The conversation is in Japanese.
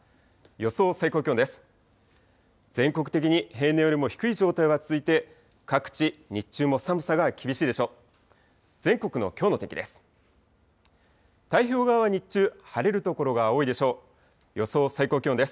予想最高気温です。